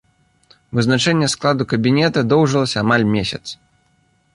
Вызначэнне складу кабінета доўжылася амаль месяц.